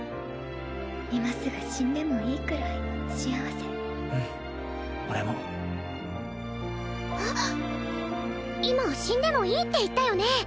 今すぐ死んでもいいくらい幸せうん俺も今死んでもいいって言ったよね